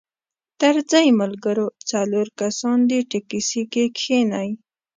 درځئ ملګرو څلور کسان دې ټیکسي کې کښینئ.